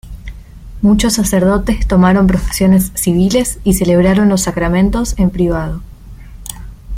Muchos sacerdotes tomaron profesiones civiles y celebraron los sacramentos en privado.